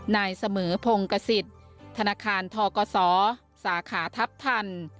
นายเสมอพงกษิตธนาคารทกศสาขาทัพทัน